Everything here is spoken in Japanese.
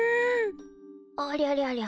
ありゃりゃりゃ。